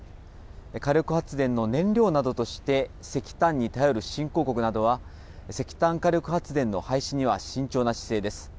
火力発電の燃料などとして石炭に頼る新興国などは、石炭火力発電の廃止には慎重な姿勢です。